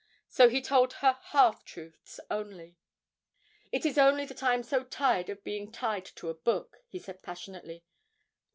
So he told her half truths only. 'It is only that I am so tired of being tied to a book,' he said passionately.